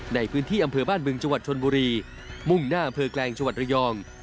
ในพื้นที่อำเภอบ้านบึงจังหวัดชนบุรีมุ่งหน้าอำเภอแกลงจังหวัดระยอง